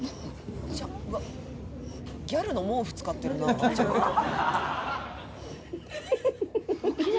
ギャルの毛布使ってるな。